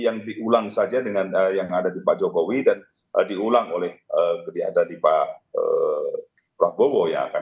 yang diulang saja dengan yang ada di pak jokowi dan diulang oleh dari pak prabowo yang akan